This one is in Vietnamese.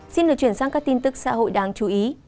xin được chuyển sang các tin tức xã hội đáng chú ý